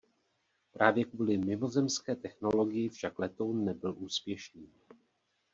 Právě kvůli mimozemské technologii však letoun nebyl úspěšný.